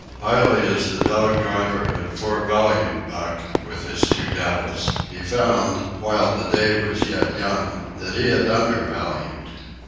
Highly as the dog driver had forevalued Buck, with his two devils, he found, while the day was yet young, that he had undervalued.